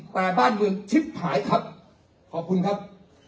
แต่บ้านเมืองชิบหายครับขอบคุณครับ